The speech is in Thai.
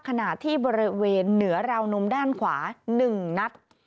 ขณะที่บริเวณเหนือราวนมด้านขวา๑นัด